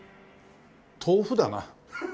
豆腐だな。